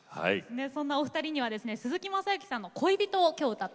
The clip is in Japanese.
そんなお二人には鈴木雅之さんの「恋人」を今日歌っていただきます。